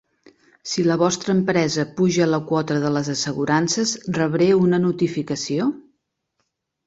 Si la vostra empresa puja la quota de les assegurances, rebré una notificació?